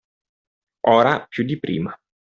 Ora più di prima